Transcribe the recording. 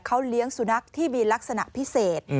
เขาเลี้ยงสุนัขที่มีลักษณะพิเศษ